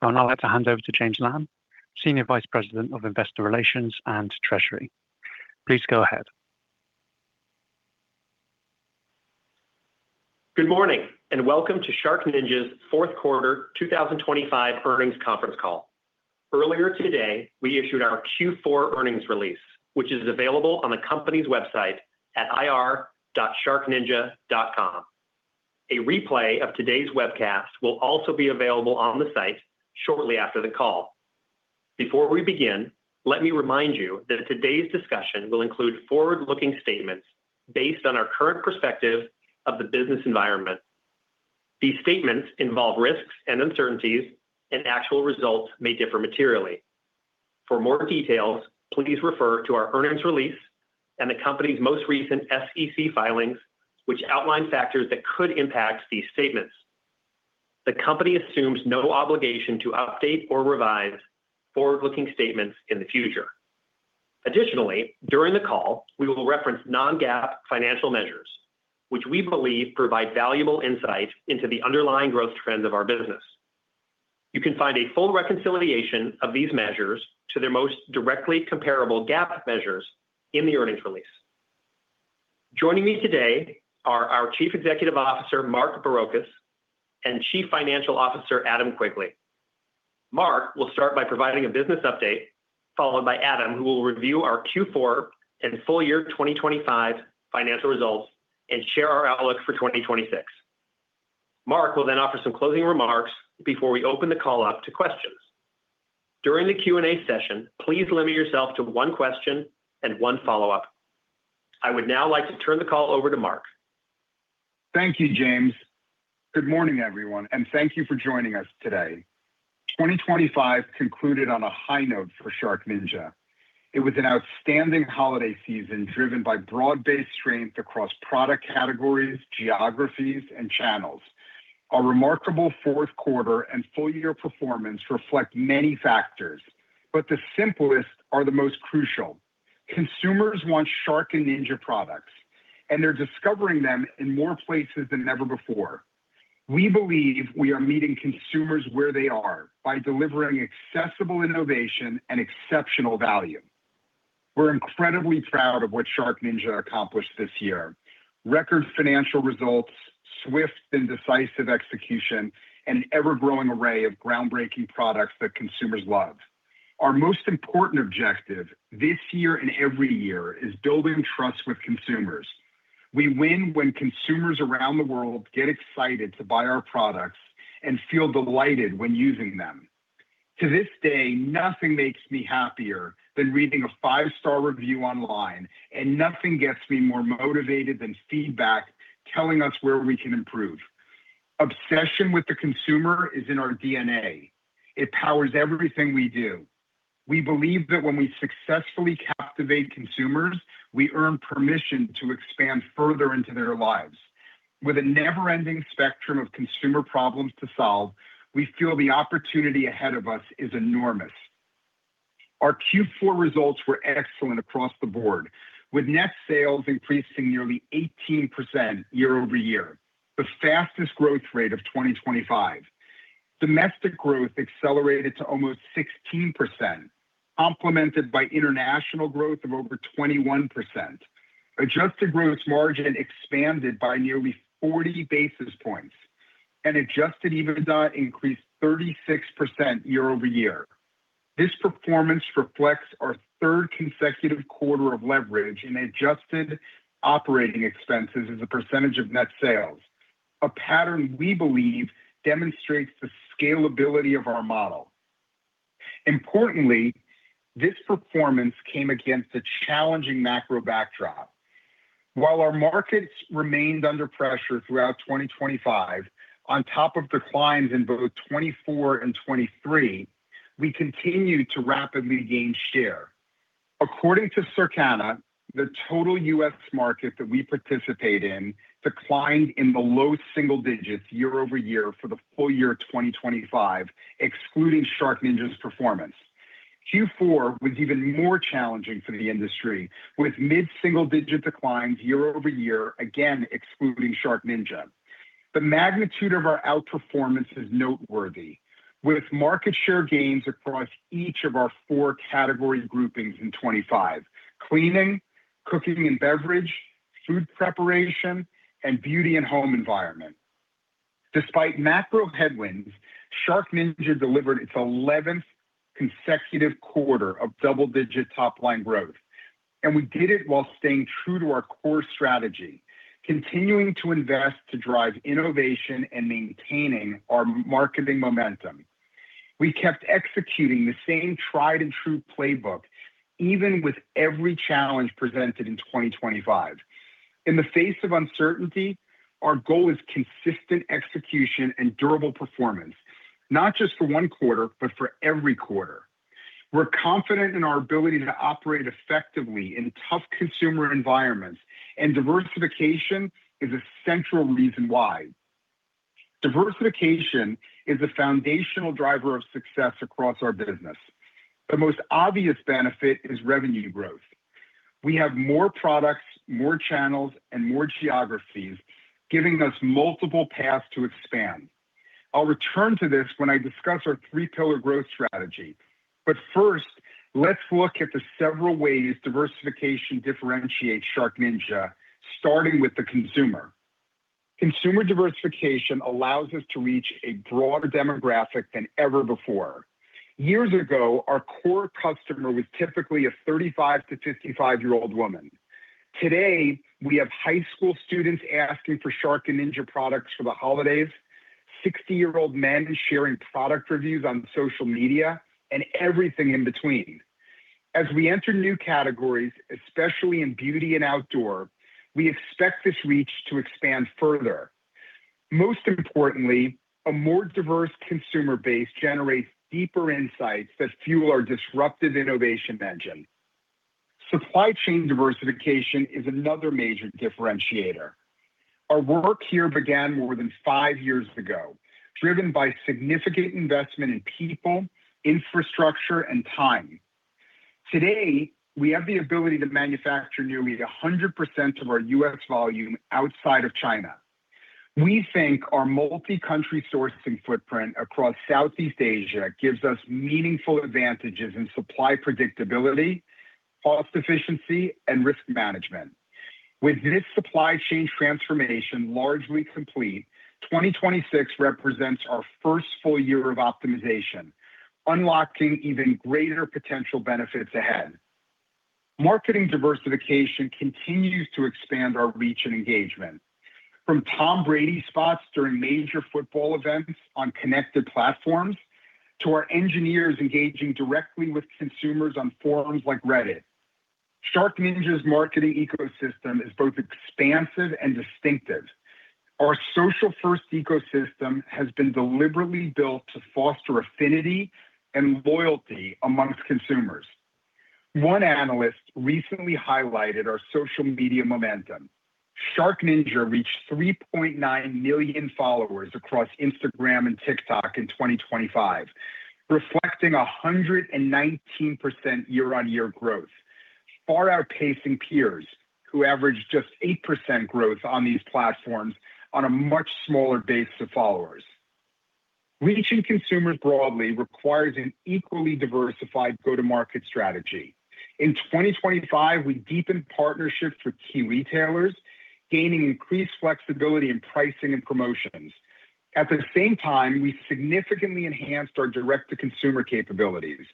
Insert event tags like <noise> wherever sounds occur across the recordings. Well, now I'd like to hand over to James Lamb, Senior Vice President of Investor Relations and Treasury. Please go ahead. Good morning, and welcome to SharkNinja's fourth quarter 2025 earnings conference call. Earlier today, we issued our Q4 earnings release, which is available on the company's website at ir.sharkninja.com. A replay of today's webcast will also be available on the site shortly after the call. Before we begin, let me remind you that today's discussion will include forward-looking statements based on our current perspective of the business environment. These statements involve risks and uncertainties, and actual results may differ materially. For more details, please refer to our earnings release and the company's most recent SEC filings, which outline factors that could impact these statements. The company assumes no obligation to update or revise forward-looking statements in the future. Additionally, during the call, we will reference non-GAAP financial measures, which we believe provide valuable insight into the underlying growth trends of our business. You can find a full reconciliation of these measures to their most directly comparable GAAP measures in the earnings release. Joining me today are our Chief Executive Officer, Mark Barrocas, and Chief Financial Officer, Adam Quigley. Mark will start by providing a business update, followed by Adam, who will review our Q4 and full year 2025 financial results and share our outlook for 2026. Mark will then offer some closing remarks before we open the call up to questions. During the Q&A session, please limit yourself to one question and one follow-up. I would now like to turn the call over to Mark. Thank you, James. Good morning, everyone, and thank you for joining us today. 2025 concluded on a high note for SharkNinja. It was an outstanding holiday season, driven by broad-based strength across product categories, geographies, and channels. Our remarkable fourth quarter and full year performance reflect many factors, but the simplest are the most crucial. Consumers want Shark and Ninja products, and they're discovering them in more places than ever before. We believe we are meeting consumers where they are by delivering accessible innovation and exceptional value. We're incredibly proud of what SharkNinja accomplished this year: record financial results, swift and decisive execution, and an ever-growing array of groundbreaking products that consumers love. Our most important objective this year and every year is building trust with consumers. We win when consumers around the world get excited to buy our products and feel delighted when using them. To this day, nothing makes me happier than reading a five-star review online, and nothing gets me more motivated than feedback telling us where we can improve. Obsession with the consumer is in our DNA. It powers everything we do. We believe that when we successfully captivate consumers, we earn permission to expand further into their lives. With a never-ending spectrum of consumer problems to solve, we feel the opportunity ahead of us is enormous. Our Q4 results were excellent across the board, with net sales increasing nearly 18% year-over-year, the fastest growth rate of 2025. Domestic growth accelerated to almost 16%, complemented by international growth of over 21%. Adjusted gross margin expanded by nearly 40 basis points, and adjusted EBITDA increased 36% year-over-year. This performance reflects our third consecutive quarter of leverage in adjusted operating expenses as a percentage of net sales, a pattern we believe demonstrates the scalability of our model. Importantly, this performance came against a challenging macro backdrop. While our markets remained under pressure throughout 2025, on top of declines in both 2024 and 2023, we continued to rapidly gain share. According to Circana, the total U.S. market that we participate in declined in the low single digits year-over-year for the full year 2025, excluding SharkNinja's performance. Q4 was even more challenging for the industry, with mid-single-digit declines year-over-year, again, excluding SharkNinja. The magnitude of our outperformance is noteworthy, with market share gains across each of our four category groupings in 2025: cleaning, cooking and beverage, food preparation, and beauty and home environment. Despite macro headwinds, SharkNinja delivered its eleventh consecutive quarter of double-digit top-line growth, and we did it while staying true to our core strategy, continuing to invest to drive innovation and maintaining our marketing momentum. We kept executing the same tried-and-true playbook, even with every challenge presented in 2025. In the face of uncertainty, our goal is consistent execution and durable performance, not just for one quarter, but for every quarter. We're confident in our ability to operate effectively in tough consumer environments, and diversification is a central reason why. Diversification is a foundational driver of success across our business. The most obvious benefit is revenue growth.... We have more products, more channels, and more geographies giving us multiple paths to expand. I'll return to this when I discuss our three-pillar growth strategy, but first, let's look at the several ways diversification differentiates SharkNinja, starting with the consumer. Consumer diversification allows us to reach a broader demographic than ever before. Years ago, our core customer was typically a 35-55-year-old woman. Today, we have high school students asking for SharkNinja products for the holidays, 60-year-old men sharing product reviews on social media, and everything in between. As we enter new categories, especially in beauty and outdoor, we expect this reach to expand further. Most importantly, a more diverse consumer base generates deeper insights that fuel our disruptive innovation engine. Supply chain diversification is another major differentiator. Our work here began more than five years ago, driven by significant investment in people, infrastructure, and time. Today, we have the ability to manufacture nearly 100% of our U.S. volume outside of China. We think our multi-country sourcing footprint across Southeast Asia gives us meaningful advantages in supply predictability, cost efficiency, and risk management. With this supply chain transformation largely complete, 2026 represents our first full year of optimization, unlocking even greater potential benefits ahead. Marketing diversification continues to expand our reach and engagement. From Tom Brady spots during major football events on connected platforms, to our engineers engaging directly with consumers on forums like Reddit, SharkNinja's marketing ecosystem is both expansive and distinctive. Our social-first ecosystem has been deliberately built to foster affinity and loyalty amongst consumers. One analyst recently highlighted our social media momentum. SharkNinja reached three point nine million followers across Instagram and TikTok in 2025, reflecting a 119% year-on-year growth, far outpacing peers who averaged just 8% growth on these platforms on a much smaller base of followers. Reaching consumers broadly requires an equally diversified go-to-market strategy. In 2025, we deepened partnerships with key retailers, gaining increased flexibility in pricing and promotions. At the same time, we significantly enhanced our direct-to-consumer capabilities.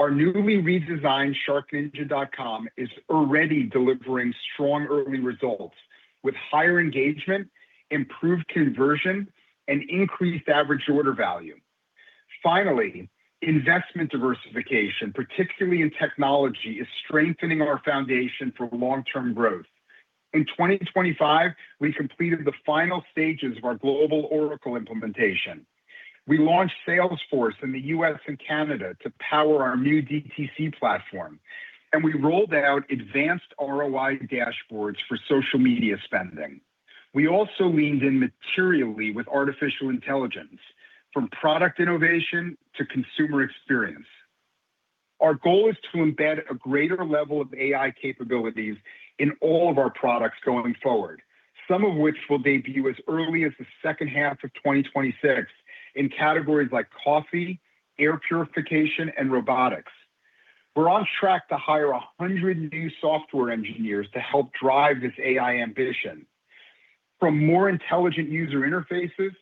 Our newly redesigned sharkninja.com is already delivering strong early results, with higher engagement, improved conversion, and increased average order value. Finally, investment diversification, particularly in technology, is strengthening our foundation for long-term growth. In 2025, we completed the final stages of our global Oracle implementation. We launched Salesforce in the U.S. and Canada to power our new DTC platform, and we rolled out advanced ROI dashboards for social media spending. We also leaned in materially with artificial intelligence, from product innovation to consumer experience. Our goal is to embed a greater level of AI capabilities in all of our products going forward, some of which will debut as early as the second half of 2026 in categories like coffee, air purification, and robotics. We're on track to hire 100 new software engineers to help drive this AI ambition. From more intelligent user interfaces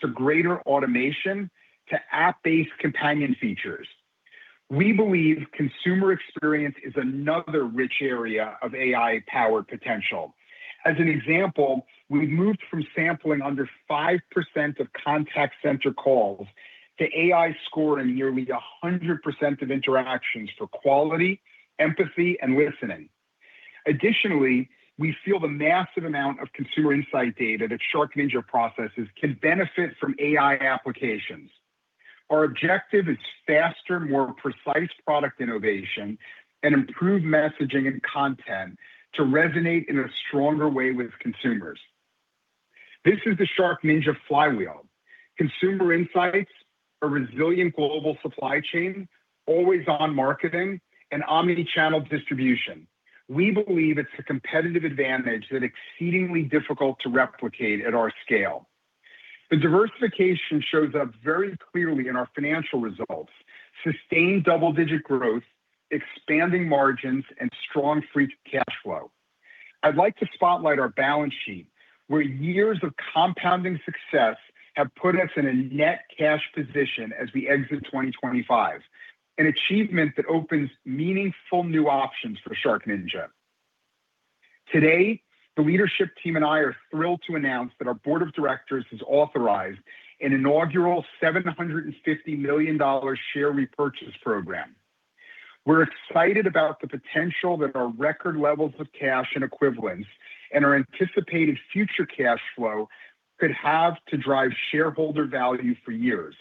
to greater automation, to app-based companion features, we believe consumer experience is another rich area of AI-powered potential. As an example, we've moved from sampling under 5% of contact center calls to AI scoring nearly 100% of interactions for quality, empathy, and listening. Additionally, we feel the massive amount of consumer insight data that SharkNinja processes can benefit from AI applications. Our objective is faster, more precise product innovation and improved messaging and content to resonate in a stronger way with consumers. This is the SharkNinja flywheel: consumer insights, a resilient global supply chain, always-on marketing, and omni-channel distribution. We believe it's a competitive advantage that exceedingly difficult to replicate at our scale. The diversification shows up very clearly in our financial results: sustained double-digit growth, expanding margins, and strong free cash flow. I'd like to spotlight our balance sheet, where years of compounding success have put us in a net cash position as we exit 2025, an achievement that opens meaningful new options for SharkNinja. Today, the leadership team and I are thrilled to announce that our board of directors has authorized an inaugural $750 million share repurchase program. We're excited about the potential that our record levels of cash and equivalents and our anticipated future cash flow could have to drive shareholder value for years.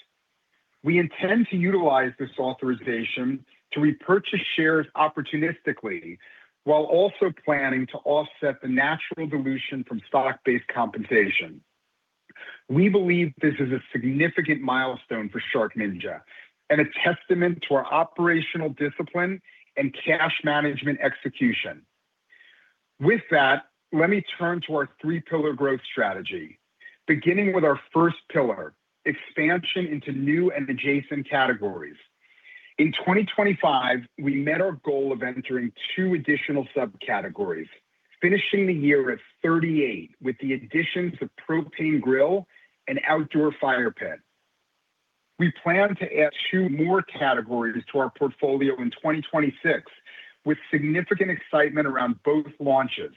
We intend to utilize this authorization to repurchase shares opportunistically, while also planning to offset the natural dilution from stock-based compensation.... We believe this is a significant milestone for SharkNinja and a testament to our operational discipline and cash management execution. With that, let me turn to our three-pillar growth strategy beginning with our first pillar, expansion into new and adjacent categories. In 2025, we met our goal of entering two additional subcategories, finishing the year at 38, with the addition to propane grill and outdoor fire pit. We plan to add two more categories to our portfolio in 2026, with significant excitement around both launches.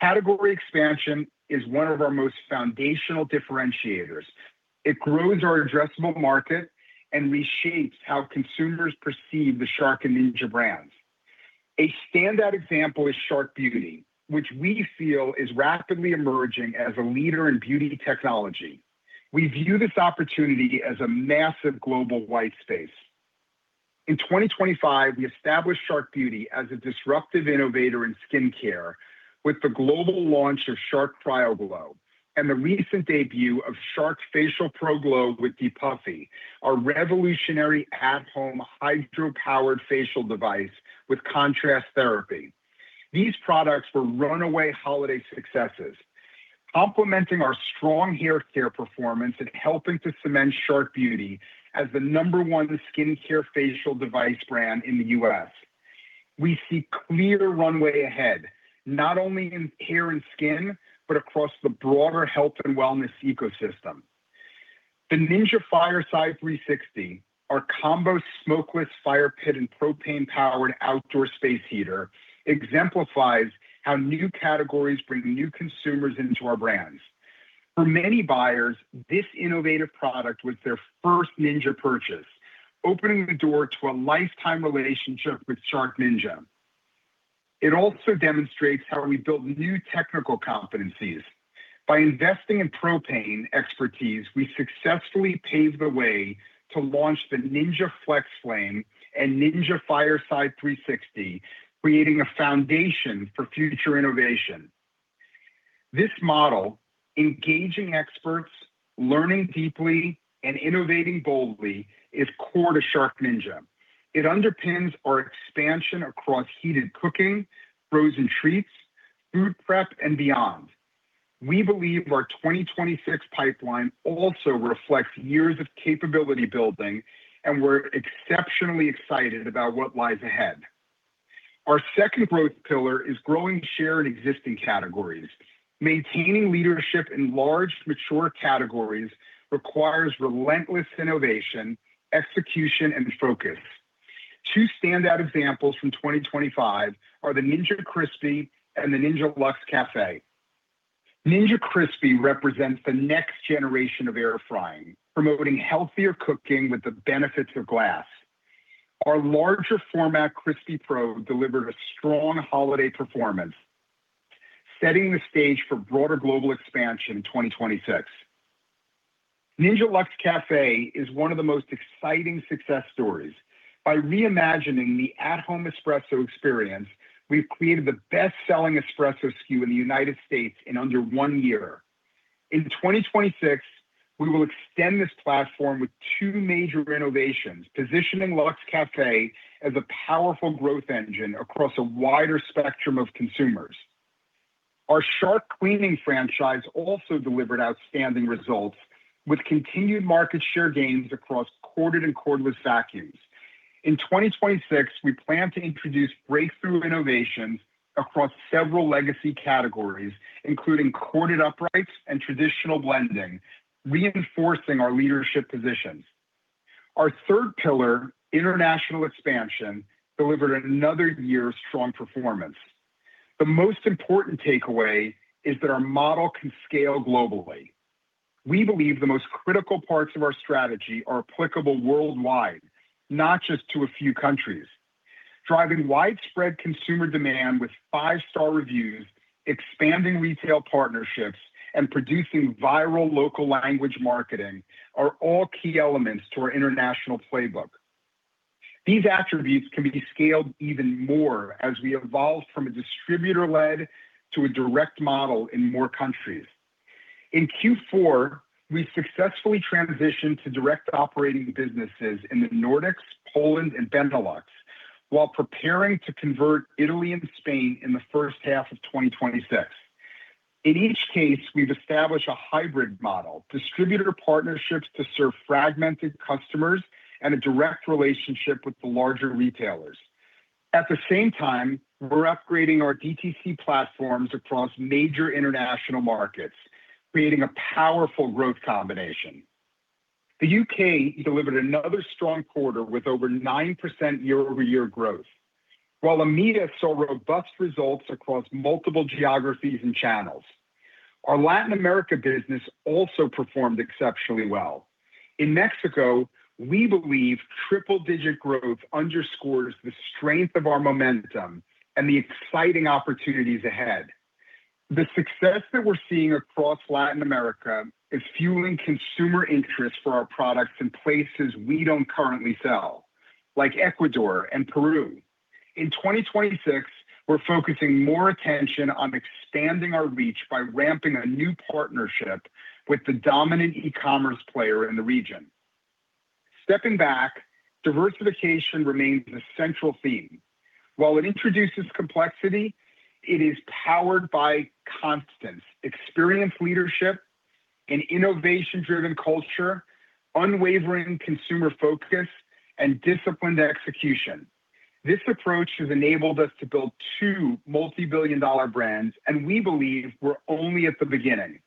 Category expansion is one of our most foundational differentiators. It grows our addressable market and reshapes how consumers perceive the SharkNinja brands. A standout example is Shark Beauty, which we feel is rapidly emerging as a leader in beauty technology. We view this opportunity as a massive global white space. In 2025, we established Shark Beauty as a disruptive innovator in skincare with the global launch of Shark CryoGlow and the recent debut of Shark FacialPro Glow with Depuffy, our revolutionary at-home hydro-powered facial device with contrast therapy. These products were runaway holiday successes, complementing our strong hair care performance and helping to cement Shark Beauty as the number one skincare facial device brand in the U.S. We see clear runway ahead, not only in hair and skin, but across the broader health and wellness ecosystem. The Ninja Fireside 360, our combo smokeless fire pit and propane-powered outdoor space heater, exemplifies how new categories bring new consumers into our brands. For many buyers, this innovative product was their first Ninja purchase, opening the door to a lifetime relationship with SharkNinja. It also demonstrates how we built new technical competencies. By investing in propane expertise, we successfully paved the way to launch the Ninja FlexFlame and Ninja Fireside360, creating a foundation for future innovation. This model, engaging experts, learning deeply, and innovating boldly, is core to SharkNinja. It underpins our expansion across heated cooking, frozen treats, food prep, and beyond. We believe our 2026 pipeline also reflects years of capability building, and we're exceptionally excited about what lies ahead. Our second growth pillar is growing share in existing categories. Maintaining leadership in large, mature categories requires relentless innovation, execution, and focus. Two standout examples from 2025 are the Ninja Crispi and the Ninja Luxe Café. Ninja Crispi represents the next generation of air frying, promoting healthier cooking with the benefits of glass. Our larger format, Crispi Pro, delivered a strong holiday performance, setting the stage for broader global expansion in 2026. Ninja Luxe Café is one of the most exciting success stories. By reimagining the at-home espresso experience, we've created the best-selling espresso SKU in the United States in under one year. In 2026, we will extend this platform with two major innovations, positioning Luxe Cafe as a powerful growth engine across a wider spectrum of consumers. Our Shark cleaning franchise also delivered outstanding results, with continued market share gains across corded and cordless vacuums. In 2026, we plan to introduce breakthrough innovations across several legacy categories, including corded uprights and traditional blending, reinforcing our leadership positions. Our third pillar, international expansion, delivered another year of strong performance. The most important takeaway is that our model can scale globally. We believe the most critical parts of our strategy are applicable worldwide, not just to a few countries. Driving widespread consumer demand with five-star reviews, expanding retail partnerships, and producing viral local language marketing are all key elements to our international playbook. These attributes can be scaled even more as we evolve from a distributor-led to a direct model in more countries. In Q4, we successfully transitioned to direct operating businesses in the Nordics, Poland, and Benelux, while preparing to convert Italy and Spain in the first half of 2026. In each case, we've established a hybrid model, distributor partnerships to serve fragmented customers and a direct relationship with the larger retailers. At the same time, we're upgrading our DTC platforms across major international markets, creating a powerful growth combination. The U.K. delivered another strong quarter with over 9% year-over-year growth, while EMEA saw robust results across multiple geographies and channels. Our Latin America business also performed exceptionally well. In Mexico, we believe triple-digit growth underscores the strength of our momentum and the exciting opportunities ahead. The success that we're seeing across Latin America is fueling consumer interest for our products in places we don't currently sell, like Ecuador and Peru. In 2026, we're focusing more attention on expanding our reach by ramping a new partnership with the dominant e-commerce player in the region. Stepping back, diversification remains a central theme. While it introduces complexity, it is powered by constants, experienced leadership, an innovation-driven culture, unwavering consumer focus, and disciplined execution. This approach has enabled us to build two multi-billion dollar brands, and we believe we're only at the beginning.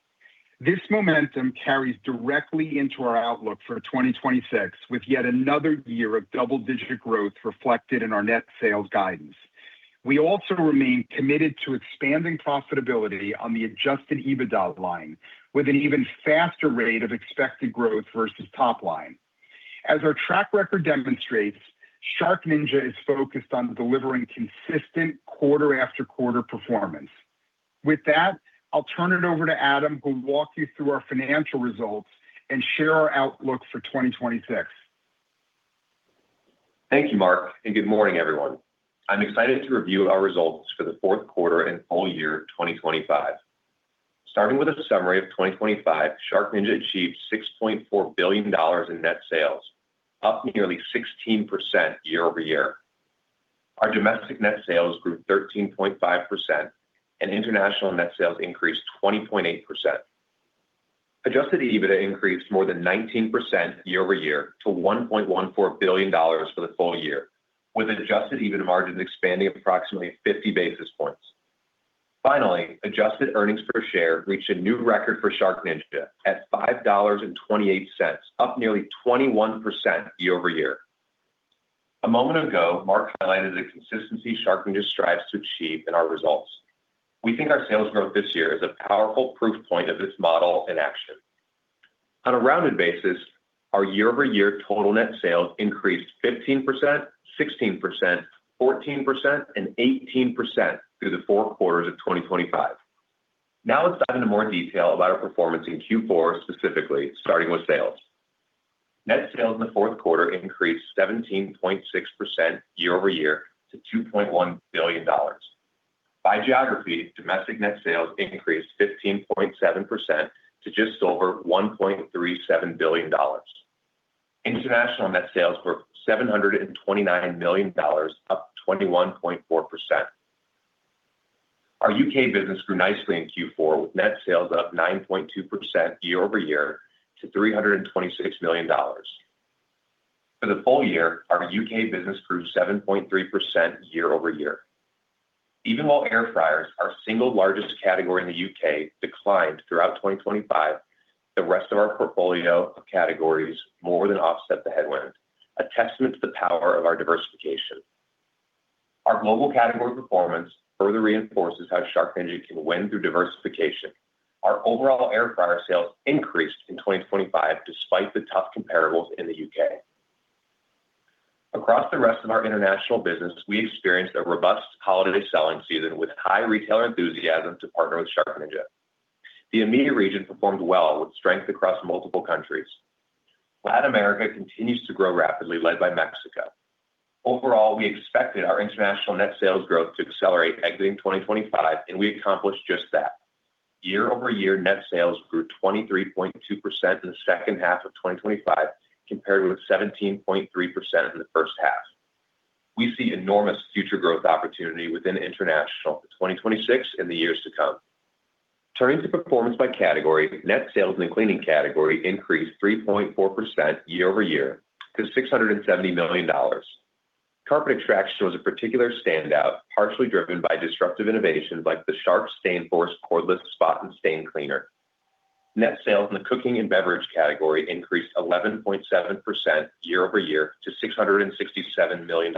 This momentum carries directly into our outlook for 2026, with yet another year of double-digit growth reflected in our net sales guidance. We also remain committed to expanding profitability on the adjusted EBITDA line, with an even faster rate of expected growth versus top line. As our track record demonstrates, SharkNinja is focused on delivering consistent quarter after quarter performance. With that, I'll turn it over to Adam, who'll walk you through our financial results and share our outlook for 2026. Thank you, Mark, and good morning, everyone. I'm excited to review our results for the fourth quarter and full year 2025. Starting with a summary of 2025, SharkNinja achieved $6.4 billion in net sales, up nearly 16% year-over-year. Our domestic net sales grew 13.5%, and international net sales increased 20.8%. Adjusted EBITDA increased more than 19% year-over-year to $1.14 billion for the full year, with adjusted EBITDA margins expanding approximately 50 basis points. Finally, adjusted earnings per share reached a new record for SharkNinja at $5.28, up nearly 21% year-over-year. A moment ago, Mark highlighted the consistency SharkNinja strives to achieve in our results. We think our sales growth this year is a powerful proof point of this model in action. On a rounded basis, our year-over-year total net sales increased 15%, 16%, 14%, and 18% through the four quarters of 2025. Now, let's dive into more detail about our performance in Q4 specifically, starting with sales. Net sales in the fourth quarter increased 17.6% year-over-year to $2.1 billion. By geography, domestic net sales increased 15.7% to just over $1.37 billion. International net sales were $729 million, up 21.4%. Our U.K. business grew nicely in Q4, with net sales up 9.2% year-over-year to $326 million. For the full year, our U.K. business grew 7.3% year-over-year. Even while air fryers, our single largest category in the U.K., declined throughout 2025, the rest of our portfolio of categories more than offset the headwind, a testament to the power of our diversification. Our global category performance further reinforces how SharkNinja can win through diversification. Our overall air fryer sales increased in 2025, despite the tough comparables in the U.K. Across the rest of our international business, we experienced a robust holiday selling season with high retailer enthusiasm to partner with SharkNinja. The EMEA region performed well, with strength across multiple countries. Latin America continues to grow rapidly, led by Mexico. Overall, we expected our international net sales growth to accelerate exiting 2025, and we accomplished just that. Year-over-year net sales grew 23.2% in the second half of 2025, compared with 17.3% in the first half. We see enormous future growth opportunity within international for 2026 in the years to come. Turning to performance by category, net sales in the cleaning category increased 3.4% year-over-year to $670 million. Carpet extraction was a particular standout, partially driven by disruptive innovations like the Shark Stain Force Cordless Spot and Stain Cleaner. Net sales in the cooking and beverage category increased 11.7% year-over-year to $667 million.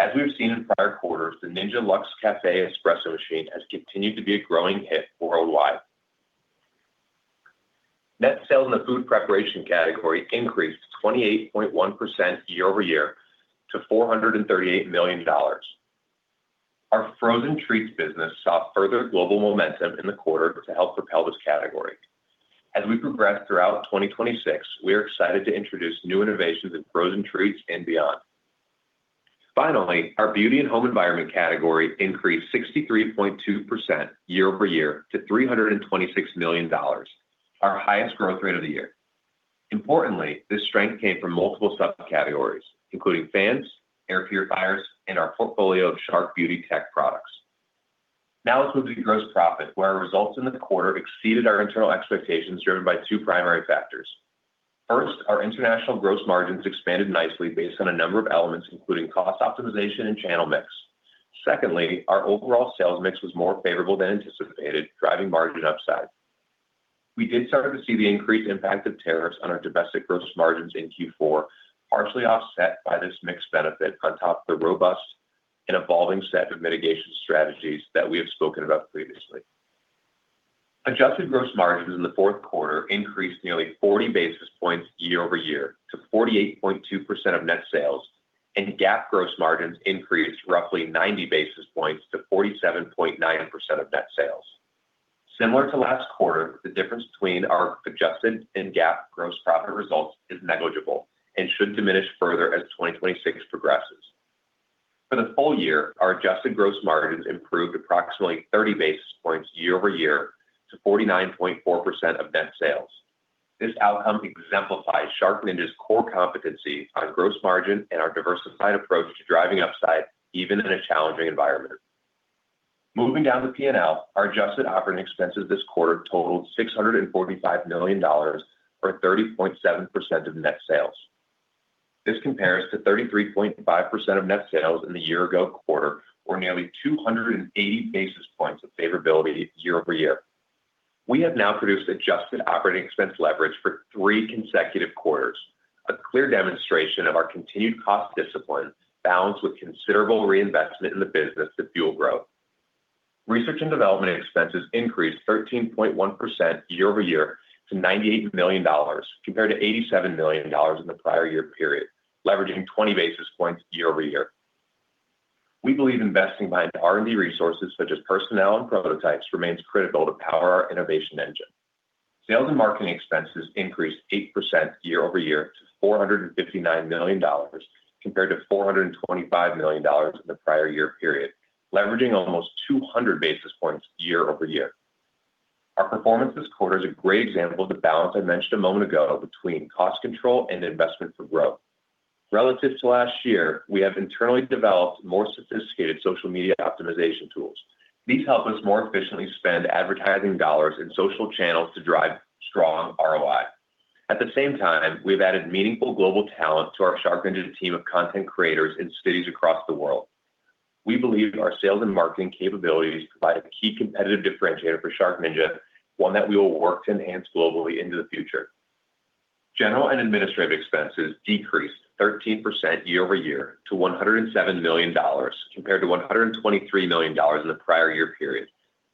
As we've seen in prior quarters, the Ninja Luxe Café Espresso Machine has continued to be a growing hit worldwide. Net sales in the food preparation category increased 28.1% year-over-year to $438 million. Our frozen treats business saw further global momentum in the quarter to help propel this category. As we progress throughout 2026, we are excited to introduce new innovations in frozen treats and beyond. Finally, our beauty and home environment category increased 63.2% year-over-year to $326 million, our highest growth rate of the year. Importantly, this strength came from multiple subcategories, including fans, air purifiers, and our portfolio of Shark beauty tech products. Now, let's move to gross profit, where our results in the quarter exceeded our internal expectations, driven by two primary factors. First, our international gross margins expanded nicely based on a number of elements, including cost optimization and channel mix. Secondly, our overall sales mix was more favorable than anticipated, driving margin upside. We did start to see the increased impact of tariffs on our domestic gross margins in Q4, partially offset by this mix benefit on top of the robust and evolving set of mitigation strategies that we have spoken about previously. Adjusted gross margins in the fourth quarter increased nearly 40 basis points year-over-year to 48.2% of net sales, and GAAP gross margins increased roughly 90 basis points to 47.9% of net sales. Similar to last quarter, the difference between our adjusted and GAAP gross profit results is negligible and should diminish further as 2026 progresses. For the full year, our adjusted gross margins improved approximately 30 basis points year-over-year to 49.4% of net sales. This outcome exemplifies SharkNinja's core competency on gross margin and our diversified approach to driving upside, even in a challenging environment. Moving down the P&L, our adjusted operating expenses this quarter totaled $645 million, or 30.7% of net sales. This compares to 33.5% of net sales in the year ago quarter, or nearly 280 basis points of favorability year-over-year. We have now produced adjusted operating expense leverage for 3 consecutive quarters, a clear demonstration of our continued cost discipline, balanced with considerable reinvestment in the business to fuel growth. Research and development expenses increased 13.1% year-over-year to $98 million, compared to $87 million in the prior year period, leveraging 20 basis points year-over-year. We believe investing behind R&D resources such as personnel and prototypes, remains critical to power our innovation engine. Sales and marketing expenses increased 8% year-over-year to $459 million, compared to $425 million in the prior year period, leveraging almost 200 basis points year-over-year. Our performance this quarter is a great example of the balance I mentioned a moment ago between cost control and investment for growth. Relative to last year, we have internally developed more sophisticated social media optimization tools. These help us more efficiently spend advertising dollars in social channels to drive strong ROI. At the same time, we've added meaningful global talent to our SharkNinja team of content creators in cities across the world. We believe our sales and marketing capabilities provide a key competitive differentiator for SharkNinja, one that we will work to enhance globally into the future. General and administrative expenses decreased 13% year-over-year to $107 million, compared to $123 million in the prior year period,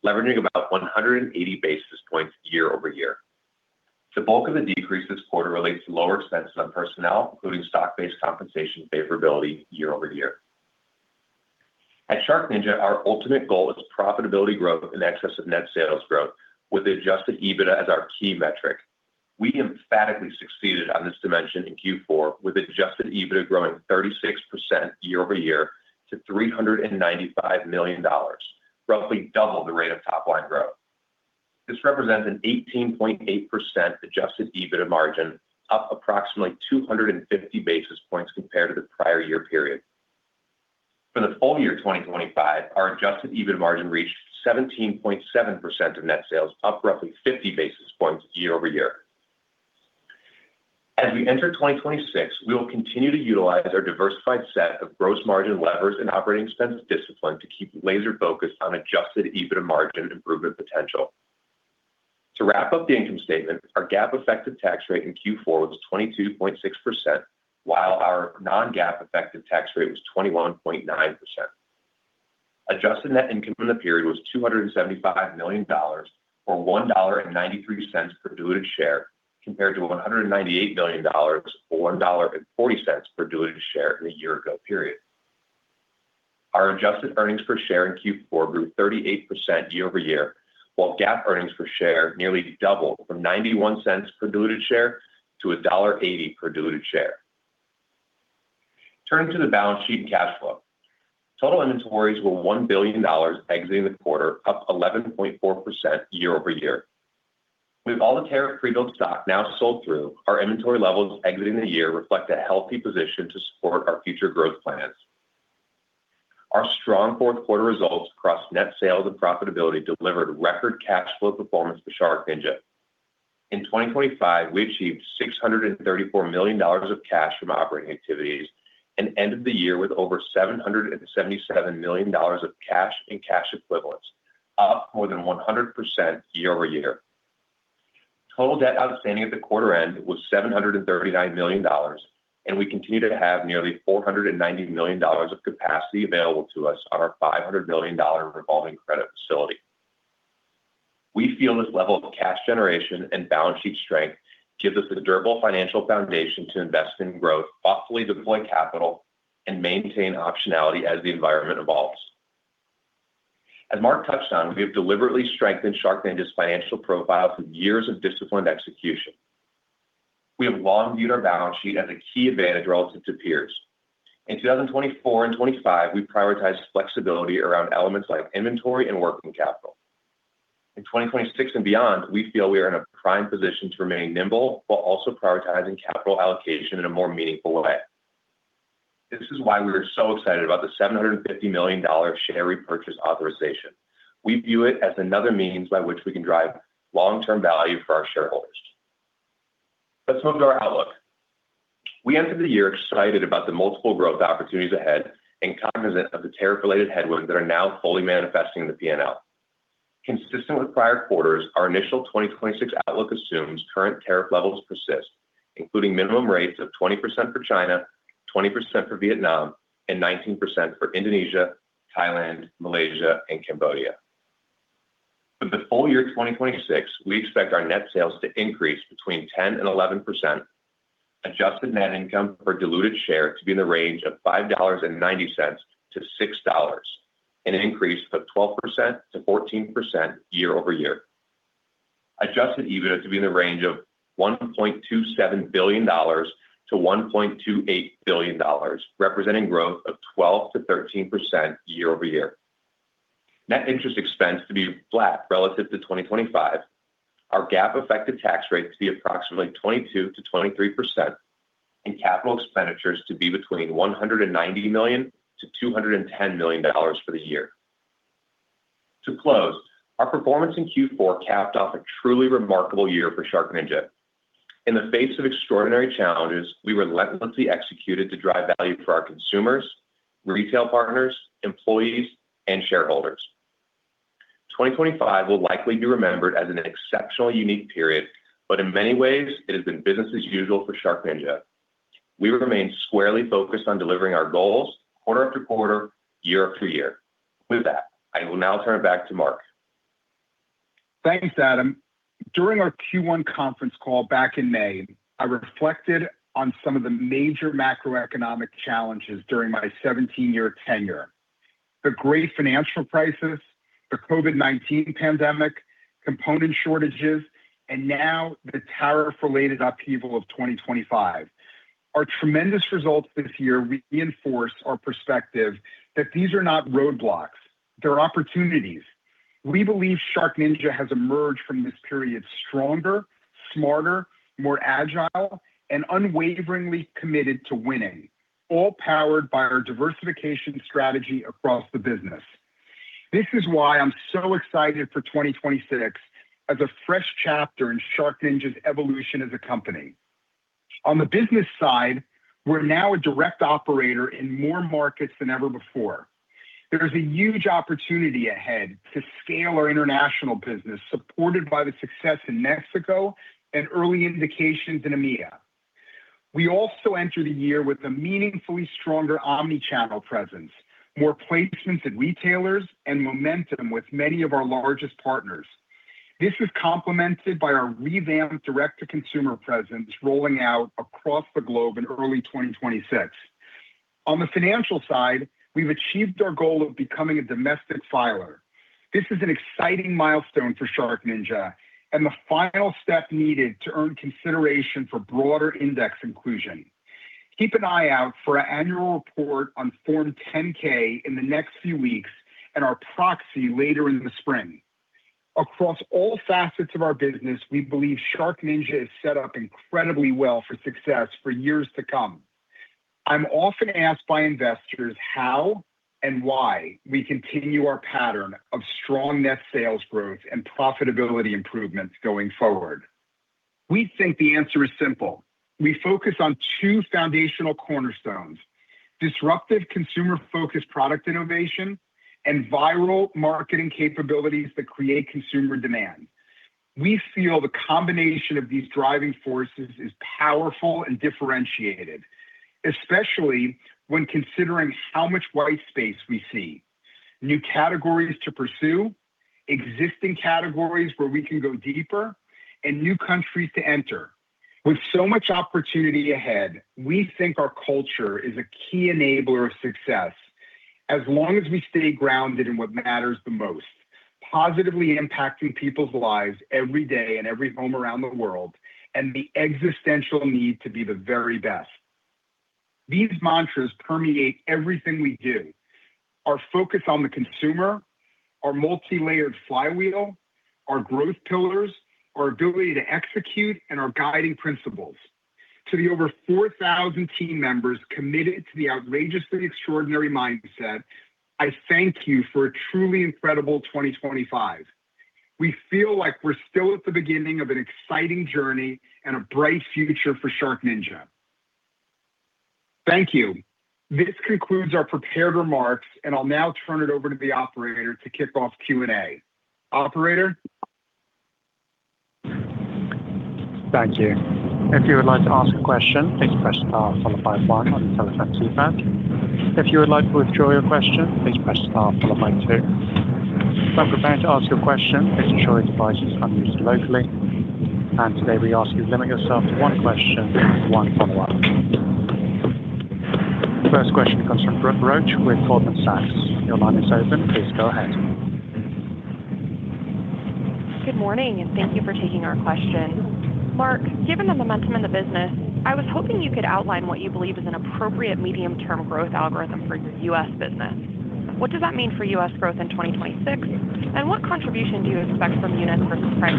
leveraging about 180 basis points year-over-year. The bulk of the decrease this quarter relates to lower expenses on personnel, including stock-based compensation favorability year-over-year. At SharkNinja, our ultimate goal is profitability growth in excess of net sales growth, with adjusted EBITDA as our key metric. We emphatically succeeded on this dimension in Q4, with adjusted EBITDA growing 36% year-over-year to $395 million, roughly double the rate of top-line growth. This represents an 18.8% adjusted EBITDA margin, up approximately 250 basis points compared to the prior year period. For the full year 2025, our adjusted EBITDA margin reached 17.7% of net sales, up roughly 50 basis points year-over-year. As we enter 2026, we will continue to utilize our diversified set of gross margin levers and operating expense discipline to keep laser focused on adjusted EBITDA margin improvement potential. To wrap up the income statement, our GAAP effective tax rate in Q4 was 22.6%, while our non-GAAP effective tax rate was 21.9%. Adjusted net income for the period was $275 million, or $1.93 per diluted share, compared to $198 million, or $1.40 per diluted share in the year ago period. Our adjusted earnings per share in Q4 grew 38% year-over-year, while GAAP earnings per share nearly doubled from $0.91 per diluted share to $1.80 per diluted share. Turning to the balance sheet and cash flow. Total inventories were $1 billion exiting the quarter, up 11.4% year-over-year. With all the tariff prebuilt stock now sold through, our inventory levels exiting the year reflect a healthy position to support our future growth plans. Our strong fourth quarter results across net sales and profitability delivered record cash flow performance for SharkNinja. In 2025, we achieved $634 million of cash from operating activities and ended the year with over $777 million of cash and cash equivalents, up more than 100% year-over-year. Total debt outstanding at the quarter end was $739 million, and we continue to have nearly $490 million of capacity available to us on our $500 million revolving credit facility. We feel this level of cash generation and balance sheet strength gives us a durable financial foundation to invest in growth, thoughtfully deploy capital, and maintain optionality as the environment evolves. As Mark touched on, we have deliberately strengthened SharkNinja's financial profile through years of disciplined execution. We have long viewed our balance sheet as a key advantage relative to peers. In 2024 and 2025, we prioritized flexibility around elements like inventory and working capital. In 2026 and beyond, we feel we are in a prime position to remain nimble, while also prioritizing capital allocation in a more meaningful way. This is why we are so excited about the $750 million share repurchase authorization. We view it as another means by which we can drive long-term value for our shareholders. Let's move to our outlook. We entered the year excited about the multiple growth opportunities ahead and cognizant of the tariff-related headwinds that are now fully manifesting in the P&L. Consistent with prior quarters, our initial 2026 outlook assumes current tariff levels persist, including minimum rates of 20% for China, 20% for Vietnam, and 19% for Indonesia, Thailand, Malaysia, and Cambodia. For the full year 2026, we expect our net sales to increase between 10% and 11%, adjusted net income per diluted share to be in the range of $5.90-$6, an increase of 12%-14% year-over-year. Adjusted EBITDA to be in the range of $1.27 billion-$1.28 billion, representing growth of 12%-13% year-over-year. Net interest expense to be flat relative to 2025. Our GAAP effective tax rate to be approximately 22%-23%, and capital expenditures to be between $190 million-$210 million for the year. To close, our performance in Q4 capped off a truly remarkable year for SharkNinja. In the face of extraordinary challenges, we relentlessly executed to drive value for our consumers, retail partners, employees, and shareholders. 2025 will likely be remembered as an exceptional, unique period, but in many ways it has been business as usual for SharkNinja. We remain squarely focused on delivering our goals quarter after quarter, year after year. With that, I will now turn it back to Mark. Thanks, Adam. During our Q1 conference call back in May, I reflected on some of the major macroeconomic challenges during my 17-year tenure. The great financial crisis, the COVID-19 pandemic, component shortages, and now the tariff-related upheaval of 2025. Our tremendous results this year reinforce our perspective that these are not roadblocks, they're opportunities. We believe SharkNinja has emerged from this period stronger, smarter, more agile, and unwaveringly committed to winning, all powered by our diversification strategy across the business. This is why I'm so excited for 2026 as a fresh chapter in SharkNinja's evolution as a company. On the business side, we're now a direct operator in more markets than ever before. There is a huge opportunity ahead to scale our international business, supported by the success in Mexico and early indications in EMEA. We also enter the year with a meaningfully stronger omni-channel presence, more placements in retailers, and momentum with many of our largest partners. This is complemented by our revamped direct-to-consumer presence, rolling out across the globe in early 2026. On the financial side, we've achieved our goal of becoming a domestic filer. This is an exciting milestone for SharkNinja, and the final step needed to earn consideration for broader index inclusion. Keep an eye out for our annual report on Form 10-K in the next few weeks and our proxy later in the spring. Across all facets of our business, we believe SharkNinja is set up incredibly well for success for years to come. I'm often asked by investors how and why we continue our pattern of strong net sales growth and profitability improvements going forward. We think the answer is simple. We focus on two foundational cornerstones: disruptive, consumer-focused product innovation and viral marketing capabilities that create consumer demand. We feel the combination of these driving forces is powerful and differentiated, especially when considering how much white space we see, new categories to pursue, existing categories where we can go deeper, and new countries to enter. With so much opportunity ahead, we think our culture is a key enabler of success as long as we stay grounded in what matters the most, positively impacting people's lives every day and every home around the world, and the existential need to be the very best. These mantras permeate everything we do. Our focus on the consumer, our multilayered flywheel, our growth pillars, our ability to execute, and our guiding principles. To the over 4,000 team members committed to the outrageously extraordinary mindset, I thank you for a truly incredible 2025. We feel like we're still at the beginning of an exciting journey and a bright future for SharkNinja. Thank you. This concludes our prepared remarks, and I'll now turn it over to the operator to kick off Q&A. Operator? Thank you. If you would like to ask a question, please press star followed by one on your telephone keypad. If you would like to withdraw your question, please press star followed by two. When preparing to ask your question, please ensure your device is unused locally, and today we ask you to limit yourself to one question and one follow-up. The first question comes from Brooke Roach with Goldman Sachs. Your line is open. Please go ahead. Good morning, and thank you for taking our question. Mark, given the momentum in the business, I was hoping you could outline what you believe is an appropriate medium-term growth algorithm for your U.S. business. What does that mean for U.S. growth in 2026, and what contribution do you expect from units versus price?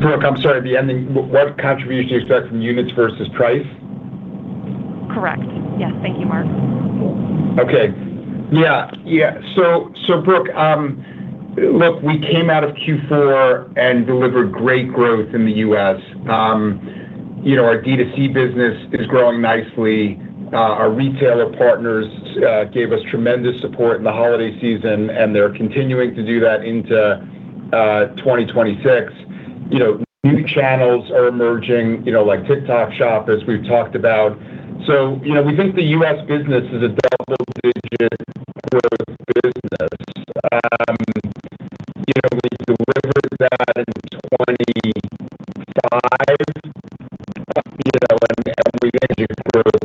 Brooke, I'm sorry, the ending. What contribution do you expect from units versus price? Correct. Yes. Thank you, Mark. Okay. Yeah. Yeah. So, Brooke, look, we came out of Q4 and delivered great growth in the U.S. You know, our D2C business is growing nicely. Our retailer partners gave us tremendous support in the holiday season, and they're continuing to do that into 2026. You know, new channels are emerging, you know, like TikTok Shop, as we've talked about. So, you know, we think the U.S. business is a double-digit growth-... <inaudible> business. You know, we delivered that in 2025, you know, and, and we entered growth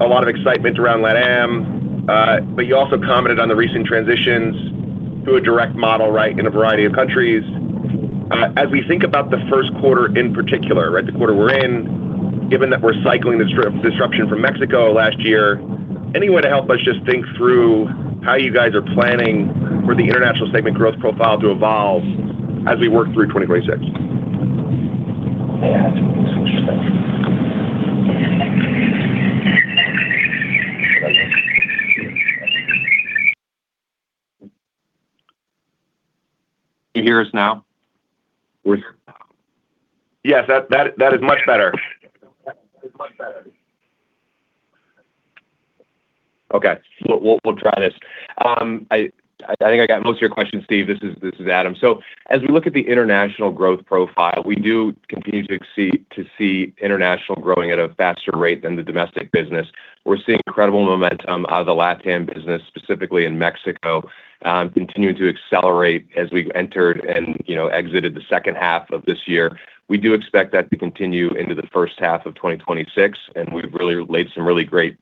a lot of excitement around Lat Am, but you also commented on the recent transitions to a direct model, right, in a variety of countries. As we think about the first quarter in particular, right, the quarter we're in, given that we're cycling this disruption from Mexico last year, any way to help us just think through how you guys are planning for the international segment growth profile to evolve as we work through 2026? Can you hear us now? We're- Yes, that is much better. It's much better. Okay, we'll try this. I think I got most of your questions, Steve. This is Adam. So as we look at the international growth profile, we do continue to see international growing at a faster rate than the domestic business. We're seeing incredible momentum out of the Lat Am business, specifically in Mexico, continuing to accelerate as we've entered and, you know, exited the second half of this year. We do expect that to continue into the first half of 2026, and we've really laid some really great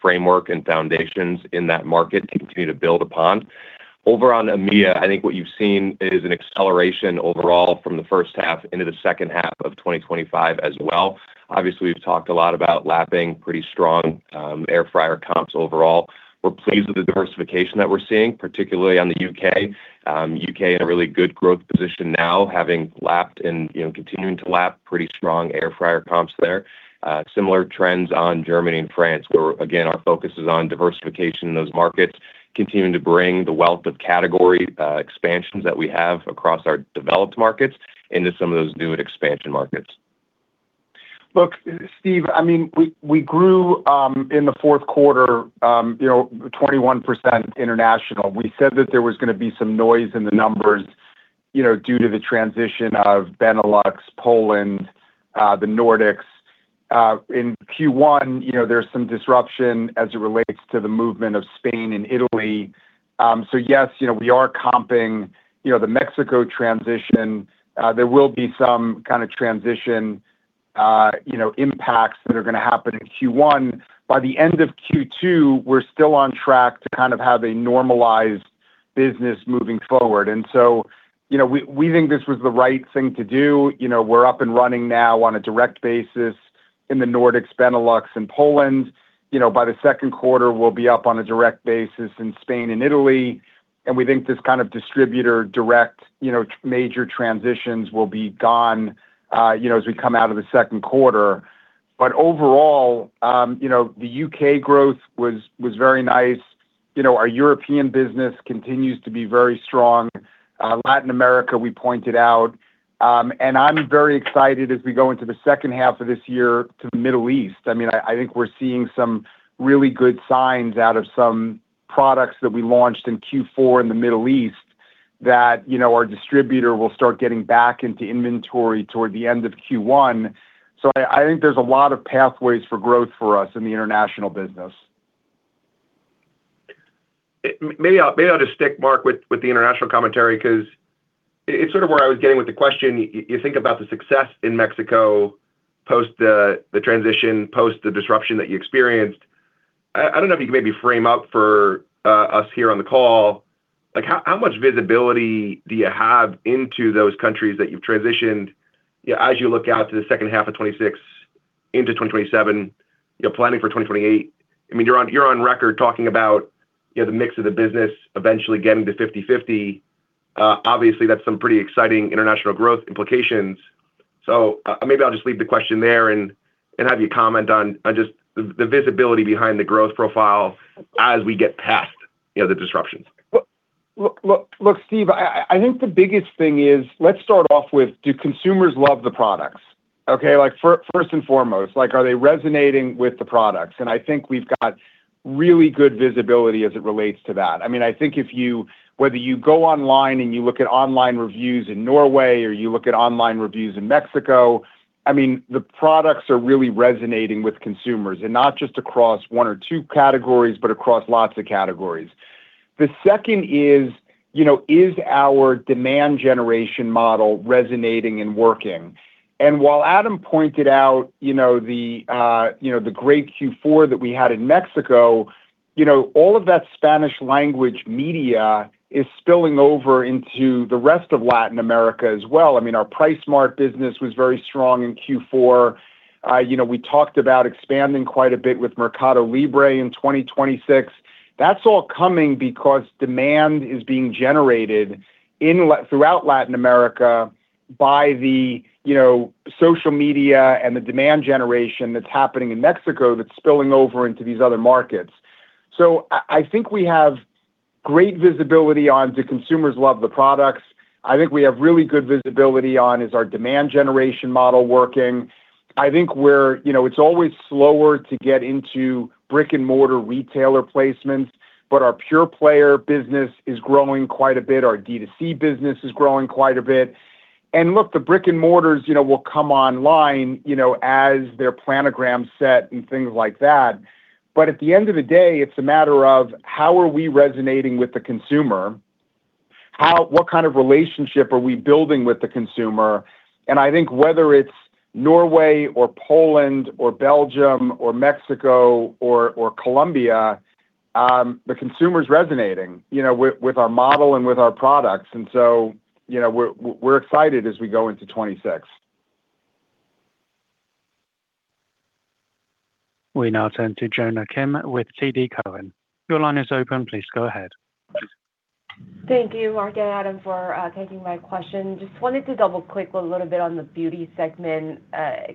framework and foundations in that market to continue to build upon. Over on EMEA, I think what you've seen is an acceleration overall from the first half into the second half of 2025 as well. Obviously, we've talked a lot about lapping, pretty strong air fryer comps overall. We're pleased with the diversification that we're seeing, particularly on the U.K. U.K. in a really good growth position now, having lapped and, you know, continuing to lap pretty strong air fryer comps there. Similar trends on Germany and France, where, again, our focus is on diversification in those markets, continuing to bring the wealth of category expansions that we have across our developed markets into some of those new and expansion markets. Look, Steve, I mean, we grew in the fourth quarter, you know, 21% international. We said that there was gonna be some noise in the numbers, you know, due to the transition of Benelux, Poland, the Nordics. In Q1, you know, there's some disruption as it relates to the movement of Spain and Italy. So yes, you know, we are comping the Mexico transition. There will be some kinda transition impacts that are gonna happen in Q1. By the end of Q2, we're still on track to kind of have a normalized business moving forward. So, you know, we think this was the right thing to do. You know, we're up and running now on a direct basis in the Nordics, Benelux, and Poland. You know, by the second quarter, we'll be up on a direct basis in Spain and Italy, and we think this kind of distributor direct, you know, major transitions will be gone, you know, as we come out of the second quarter. But overall, you know, the U.K. growth was very nice.... you know, our European business continues to be very strong. Latin America, we pointed out, and I'm very excited as we go into the second half of this year to the Middle East. I mean, I think we're seeing some really good signs out of some products that we launched in Q4 in the Middle East that, you know, our distributor will start getting back into inventory toward the end of Q1. So I think there's a lot of pathways for growth for us in the international business. Maybe I, maybe I'll just stick, Mark, with the international commentary, 'cause it's sort of where I was getting with the question. You think about the success in Mexico post the transition, post the disruption that you experienced. I don't know if you can maybe frame up for us here on the call, like how much visibility do you have into those countries that you've transitioned, you know, as you look out to the second half of 2026 into 2027, you're planning for 2028? I mean, you're on record talking about, you know, the mix of the business eventually getting to 50/50. Obviously, that's some pretty exciting international growth implications. Maybe I'll just leave the question there and have you comment on just the visibility behind the growth profile as we get past, you know, the disruptions. Well, look, look, look, Steve, I, I think the biggest thing is... Let's start off with, do consumers love the products? Okay, like, first and foremost, like, are they resonating with the products? And I think we've got really good visibility as it relates to that. I mean, I think if you, whether you go online and you look at online reviews in Norway, or you look at online reviews in Mexico, I mean, the products are really resonating with consumers, and not just across one or two categories, but across lots of categories. The second is, you know, is our demand generation model resonating and working? And while Adam pointed out, you know, the, you know, the great Q4 that we had in Mexico, you know, all of that Spanish language media is spilling over into the rest of Latin America as well. I mean, our PriceSmart business was very strong in Q4. You know, we talked about expanding quite a bit with Mercado Libre in 2026. That's all coming because demand is being generated throughout Latin America by the, you know, social media and the demand generation that's happening in Mexico that's spilling over into these other markets. So I, I think we have great visibility on, do consumers love the products? I think we have really good visibility on, is our demand generation model working. I think we're... You know, it's always slower to get into brick-and-mortar retailer placements, but our pure player business is growing quite a bit. Our D2C business is growing quite a bit. And look, the brick and mortars, you know, will come online, you know, as their planograms set and things like that. But at the end of the day, it's a matter of how are we resonating with the consumer? How, what kind of relationship are we building with the consumer? And I think whether it's Norway or Poland or Belgium or Mexico or Colombia, the consumer's resonating, you know, with our model and with our products. And so, you know, we're excited as we go into 2026. We now turn to Jonna Kim with TD Cowen. Your line is open. Please go ahead. Thank you, Mark and Adam, for taking my question. Just wanted to double-click a little bit on the beauty segment.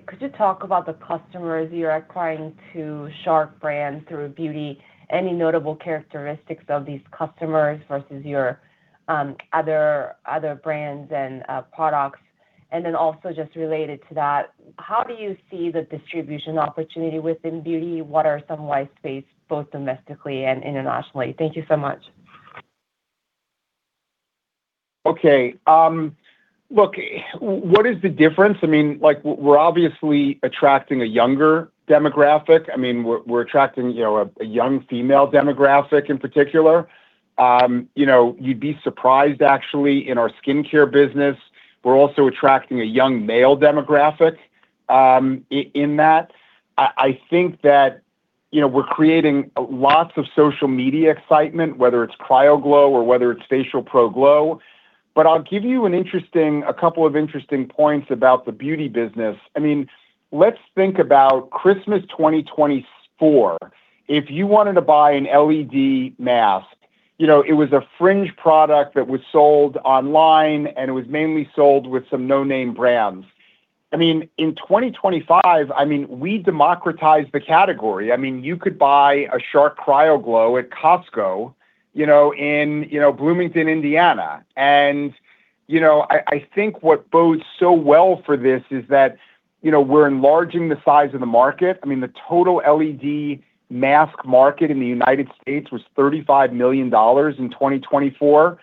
Could you talk about the customers you're acquiring to Shark brand through beauty? Any notable characteristics of these customers versus your other, other brands and products? And then also just related to that, how do you see the distribution opportunity within beauty? What are some white space, both domestically and internationally? Thank you so much. Okay, look, what is the difference? I mean, we're obviously attracting a younger demographic. I mean, we're attracting, you know, a young female demographic in particular. You know, you'd be surprised, actually, in our skincare business, we're also attracting a young male demographic in that. I think that, you know, we're creating lots of social media excitement, whether it's CryoGlow or whether it's FacialPro Glow. But I'll give you a couple of interesting points about the beauty business. I mean, let's think about Christmas 2024. If you wanted to buy an LED mask, you know, it was a fringe product that was sold online, and it was mainly sold with some no-name brands. I mean, in 2025, I mean, we democratized the category. I mean, you could buy a Shark CryoGlow at Costco, you know, in, you know, Bloomington, Indiana. You know, I, I think what bodes so well for this is that, you know, we're enlarging the size of the market. I mean, the total LED mask market in the United States was $35 million in 2024.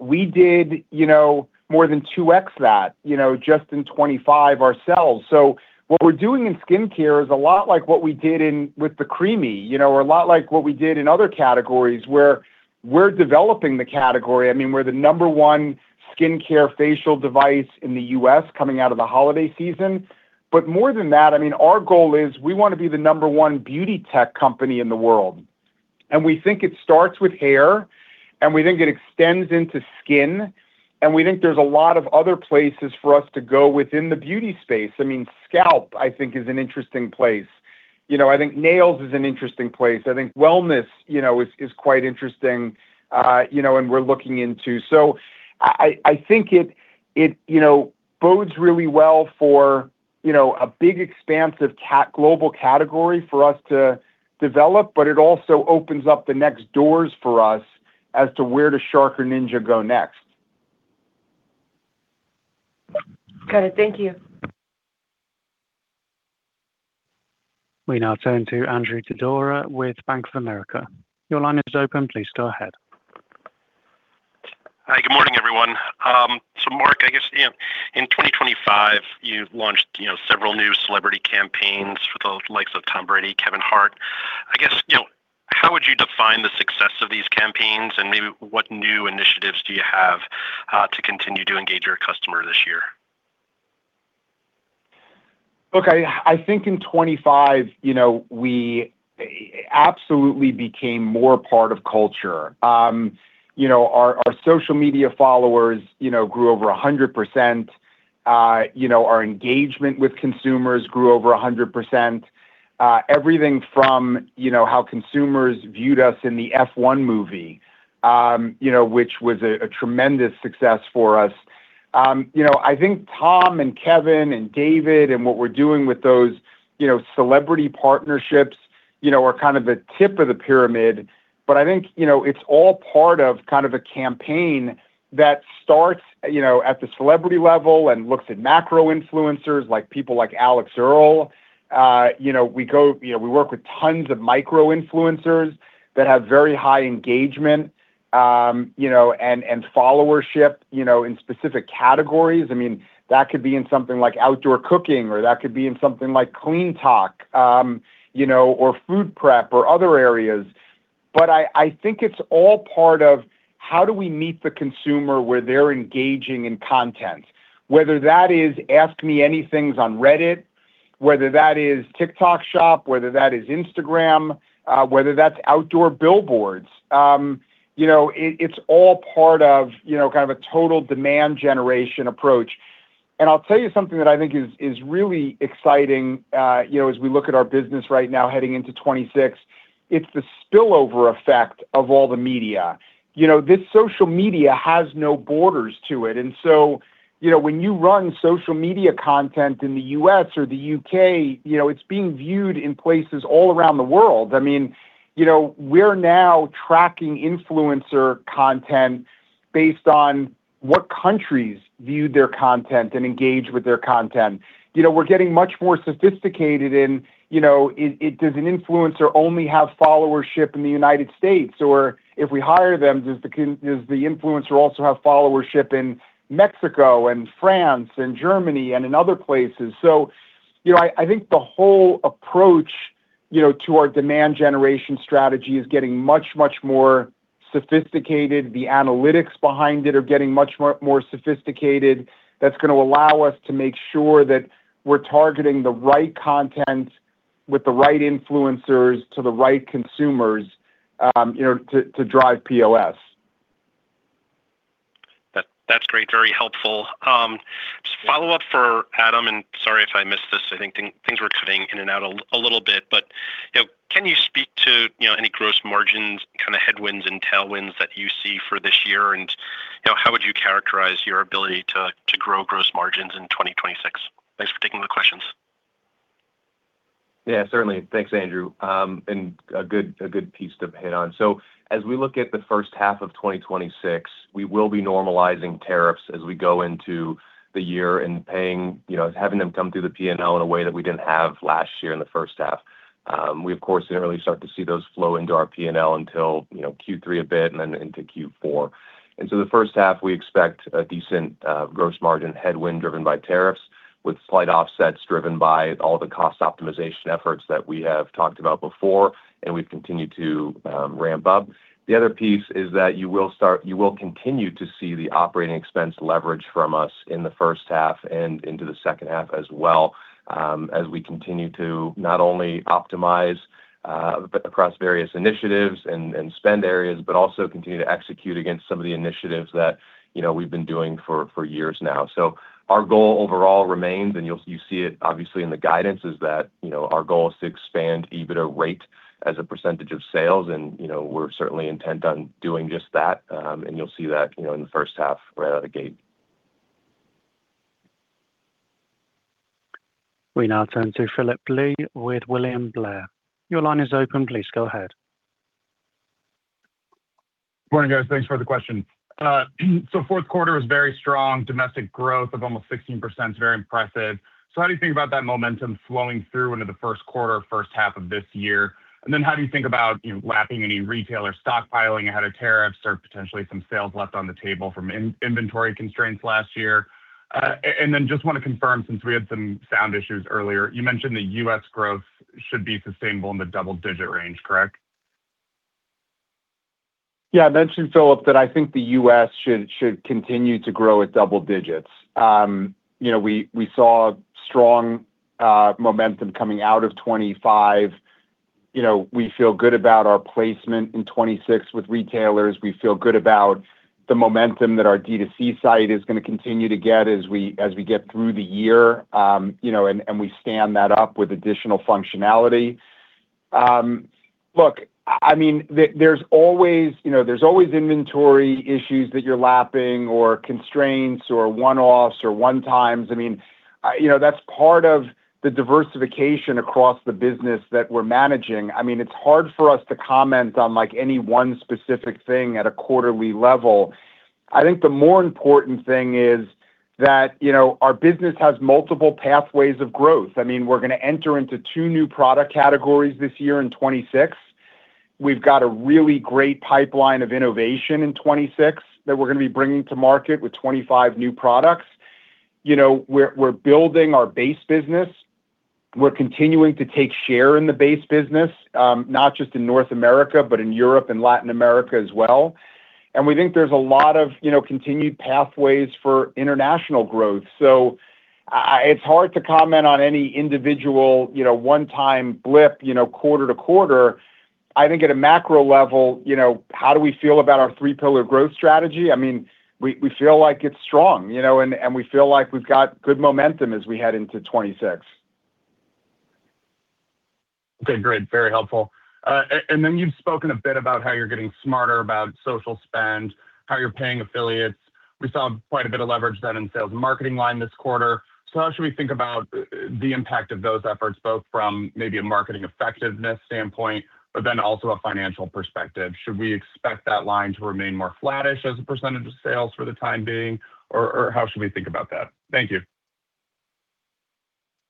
We did, you know, more than 2x that, you know, just in 2025 ourselves. So what we're doing in skincare is a lot like what we did in with the Creami, you know, or a lot like what we did in other categories, where we're developing the category. I mean, we're the number one skincare facial device in the US coming out of the holiday season. But more than that, I mean, our goal is we wanna be the number one beauty tech company in the world, and we think it starts with hair, and we think it extends into skin, and we think there's a lot of other places for us to go within the beauty space. I mean, scalp, I think, is an interesting place. You know, I think nails is an interesting place. I think wellness, you know, is quite interesting, you know, and we're looking into. So I think it, you know, bodes really well for, you know, a big expansive global category for us to develop, but it also opens up the next doors for us as to where does Shark or Ninja go next. Got it. Thank you. We now turn to Andrew Didora with Bank of America. Your line is open. Please go ahead. Hi, good morning, everyone. So Mark, I guess, you know, in 2025, you've launched, you know, several new celebrity campaigns for the likes of Tom Brady, Kevin Hart. I guess, you know, how would you define the success of these campaigns, and maybe what new initiatives do you have, to continue to engage your customer this year? Look, I think in 2025, you know, we absolutely became more part of culture. You know, our social media followers, you know, grew over 100%. You know, our engagement with consumers grew over 100%. Everything from, you know, how consumers viewed us in the F1 movie, you know, which was a tremendous success for us. You know, I think Tom Brady and Kevin Hart and David Beckham and what we're doing with those, you know, celebrity partnerships, you know, are kind of the tip of the pyramid. But I think, you know, it's all part of kind of a campaign that starts, you know, at the celebrity level and looks at macro influencers, like people like Alix Earle. You know, we go... You know, we work with tons of micro influencers that have very high engagement, you know, and, and followership, you know, in specific categories. I mean, that could be in something like outdoor cooking, or that could be in something like clean talk, you know, or food prep or other areas. But I, I think it's all part of how do we meet the consumer where they're engaging in content, whether that is ask me any things on Reddit, whether that is TikTok shop, whether that is Instagram, whether that's outdoor billboards. You know, it, it's all part of, you know, kind of a total demand generation approach. And I'll tell you something that I think is, is really exciting, you know, as we look at our business right now heading into 2026, it's the spillover effect of all the media. You know, this social media has no borders to it. So, you know, when you run social media content in the U.S. or the U.K., you know, it's being viewed in places all around the world. I mean, you know, we're now tracking influencer content based on what countries view their content and engage with their content. You know, we're getting much more sophisticated in, you know, does an influencer only have followership in the United States? Or if we hire them, does the influencer also have followership in Mexico and France and Germany and in other places? So, you know, I think the whole approach, you know, to our demand generation strategy is getting much, much more sophisticated. The analytics behind it are getting much more sophisticated. That's gonna allow us to make sure that we're targeting the right content with the right influencers to the right consumers, you know, to drive POS. That, that's great. Very helpful. Just follow up for Adam, and sorry if I missed this. I think things were cutting in and out a little bit. But, you know, can you speak to, you know, any gross margins, kind of headwinds and tailwinds that you see for this year? And, you know, how would you characterize your ability to grow gross margins in 2026? Thanks for taking the questions. Yeah, certainly. Thanks, Andrew. And a good, a good piece to hit on. So as we look at the first half of 2026, we will be normalizing tariffs as we go into the year and paying you know, having them come through the P&L in a way that we didn't have last year in the first half. We, of course, didn't really start to see those flow into our P&L until, you know, Q3 a bit and then into Q4. And so the first half, we expect a decent gross margin headwind driven by tariffs, with slight offsets driven by all the cost optimization efforts that we have talked about before, and we've continued to ramp up. The other piece is that you will continue to see the operating expense leverage from us in the first half and into the second half as well, as we continue to not only optimize across various initiatives and spend areas, but also continue to execute against some of the initiatives that, you know, we've been doing for years now. So our goal overall remains, and you'll see it obviously in the guidance, is that, you know, our goal is to expand EBITDA rate as a percentage of sales, and, you know, we're certainly intent on doing just that. And you'll see that, you know, in the first half, right out of the gate. We now turn to Phillip Blee with William Blair. Your line is open. Please go ahead. Morning, guys. Thanks for the question. So fourth quarter was very strong. Domestic growth of almost 16% is very impressive. So how do you think about that momentum flowing through into the first quarter, first half of this year? And then how do you think about, you know, lapping any retailer stockpiling ahead of tariffs or potentially some sales left on the table from inventory constraints last year? And then just want to confirm, since we had some sound issues earlier, you mentioned the U.S. growth should be sustainable in the double-digit range, correct? Yeah, I mentioned, Phillip, that I think the U.S. should continue to grow at double digits. You know, we saw strong momentum coming out of 2025. You know, we feel good about our placement in 2026 with retailers. We feel good about the momentum that our D2C side is gonna continue to get as we get through the year, you know, and we stand that up with additional functionality.... Look, I mean, there's always, you know, there's always inventory issues that you're lapping or constraints or one-offs or one-times. I mean, you know, that's part of the diversification across the business that we're managing. I mean, it's hard for us to comment on, like, any one specific thing at a quarterly level. I think the more important thing is that, you know, our business has multiple pathways of growth. I mean, we're gonna enter into two new product categories this year in 2026. We've got a really great pipeline of innovation in 2026 that we're gonna be bringing to market with 25 new products. You know, we're building our base business. We're continuing to take share in the base business, not just in North America, but in Europe and Latin America as well. We think there's a lot of, you know, continued pathways for international growth. So it's hard to comment on any individual, you know, one-time blip, you know, quarter to quarter. I think at a macro level, you know, how do we feel about our three pillar growth strategy? I mean, we, we feel like it's strong, you know, and, and we feel like we've got good momentum as we head into 2026. Okay, great. Very helpful. And then you've spoken a bit about how you're getting smarter, about social spend, how you're paying affiliates. We saw quite a bit of leverage then in sales and marketing line this quarter. So how should we think about the impact of those efforts, both from maybe a marketing effectiveness standpoint, but then also a financial perspective? Should we expect that line to remain more flattish as a percentage of sales for the time being, or how should we think about that? Thank you.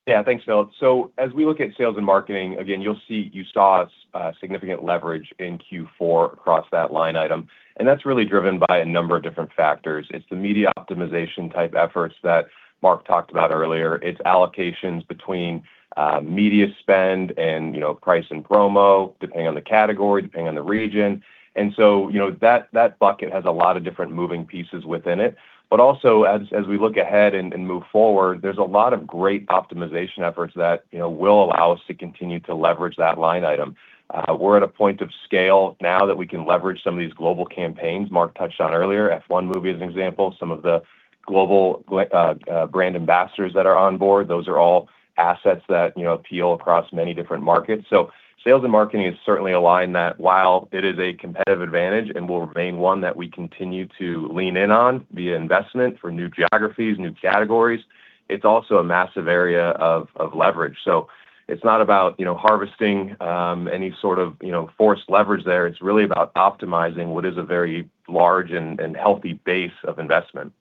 Yeah, thanks, Phil. So as we look at sales and marketing, again, you'll see—you saw us significant leverage in Q4 across that line item, and that's really driven by a number of different factors. It's the media optimization type efforts that Mark talked about earlier. It's allocations between media spend and, you know, price and promo, depending on the category, depending on the region. And so, you know, that, that bucket has a lot of different moving pieces within it. But also as, as we look ahead and, and move forward, there's a lot of great optimization efforts that, you know, will allow us to continue to leverage that line item. We're at a point of scale now that we can leverage some of these global campaigns Mark touched on earlier, F1 movie, as an example, some of the global brand ambassadors that are on board, those are all assets that, you know, appeal across many different markets. So sales and marketing is certainly a line that while it is a competitive advantage and will remain one that we continue to lean in on via investment for new geographies, new categories, it's also a massive area of leverage. So it's not about, you know, harvesting any sort of, you know, forced leverage there. It's really about optimizing what is a very large and healthy base of investment.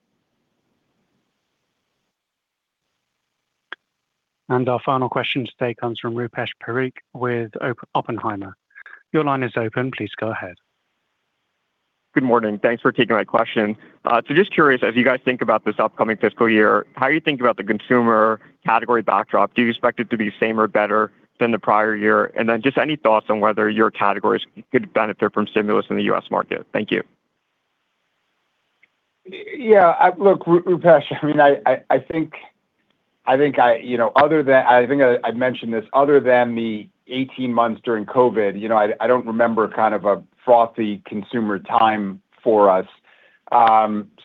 And our final question today comes from Rupesh Parikh with Oppenheimer. Your line is open. Please go ahead. Good morning. Thanks for taking my question. So just curious, as you guys think about this upcoming fiscal year, how you think about the consumer category backdrop, do you expect it to be the same or better than the prior year? And then just any thoughts on whether your categories could benefit from stimulus in the U.S. market? Thank you. Yeah, look, Rupesh, I mean, I think I... You know, other than—I think I'd mentioned this, other than the 18 months during COVID, you know, I don't remember kind of a frothy consumer time for us.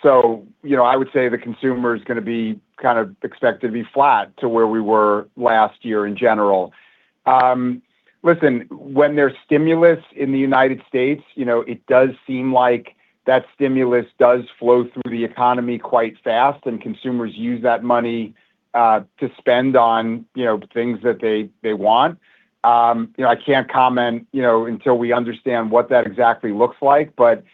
So, you know, I would say the consumer is gonna be kind of expected to be flat to where we were last year in general. Listen, when there's stimulus in the United States, you know, it does seem like that stimulus does flow through the economy quite fast, and consumers use that money to spend on, you know, things that they want. You know, I can't comment, you know, until we understand what that exactly looks like, but,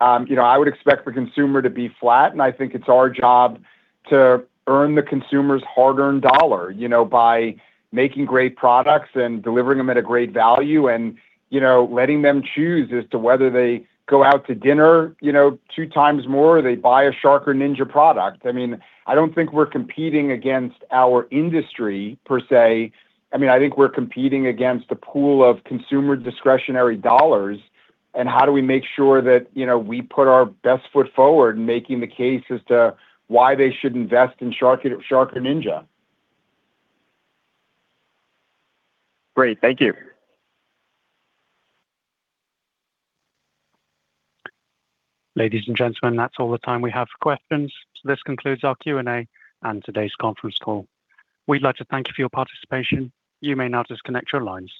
you know, I would expect the consumer to be flat, and I think it's our job to earn the consumer's hard-earned dollar, you know, by making great products and delivering them at a great value and, you know, letting them choose as to whether they go out to dinner, you know, two times more or they buy a Shark or Ninja product. I mean, I don't think we're competing against our industry per se. I mean, I think we're competing against a pool of consumer discretionary dollars, and how do we make sure that, you know, we put our best foot forward in making the case as to why they should invest in Shark or Ninja? Great. Thank you. Ladies and gentlemen, that's all the time we have for questions. So this concludes our Q&A and today's conference call. We'd like to thank you for your participation. You may now disconnect your lines.